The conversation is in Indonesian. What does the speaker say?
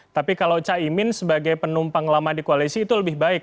tapi kalau caimin sebagai penumpang lama di koalisi itu lebih baik